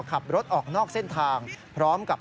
ขับรถออกนอกเส้นทางพร้อมกับ